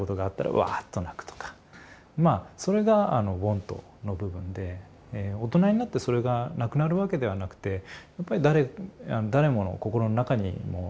まあそれが「ｗａｎｔ」の部分で大人になってそれがなくなるわけではなくてやっぱり誰もの心の中にもあると思うんですね。